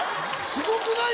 すごくない？